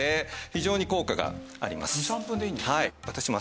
２３分でいいんですね。